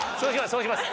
そうします。